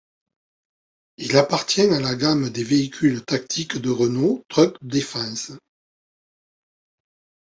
Il appartient à la gamme des véhicules tactiques de Renault Trucks Defense.